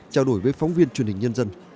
trao đổi với phóng viên truyền hình nhân dân